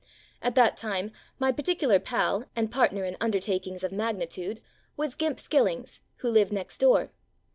At that time, my particular pal and part ner in undertakings of magnitude was "Gimp'' Skillings, who lived next door.